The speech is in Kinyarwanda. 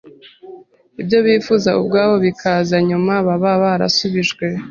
ibyo bifuza ubwabo bikaza nyuma, baba barasubijwe